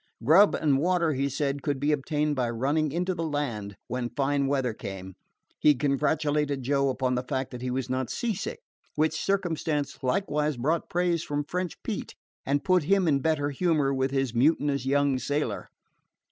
Grub and water, he said, could be obtained by running into the land when fine weather came. He congratulated Joe upon the fact that he was not seasick, which circumstance likewise brought praise from French Pete and put him in better humor with his mutinous young sailor.